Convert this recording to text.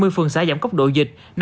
hai mươi phường xã giảm cấp độ dịch